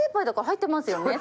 入ってますよね？